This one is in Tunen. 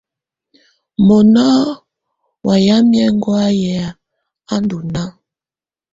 Mɔnà wa yamɛ̀á ɛŋgɔ̀áyɛ̀ à ndù nàà.